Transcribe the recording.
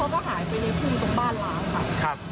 แล้วเขาก็หายไปในภืมตรงบ้านล้าง